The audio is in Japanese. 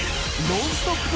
ノンストップ！